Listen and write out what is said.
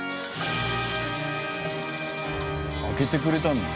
開けてくれたんだ。